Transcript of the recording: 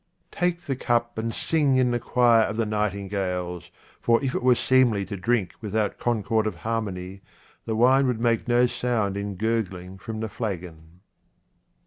79 QUATRAINS OF OMAR KHAYYAM Take the cup and sing in the choir of the nightingales, for if it were seemly to drink without concord of harmony, the wine would make no sound in gurgling from the flagon.